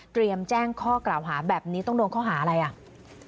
แจ้งข้อกล่าวหาแบบนี้ต้องโดนข้อหาอะไรอ่ะ